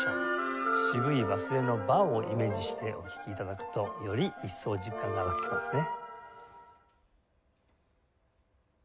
渋い場末のバーをイメージしてお聴き頂くとより一層実感が湧きますね。